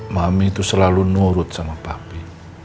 mami itu selalu nurut sama pami